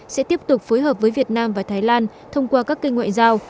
sẽ tiếp tục phối hợp với việt nam và thái lan thông qua các kênh ngoại giao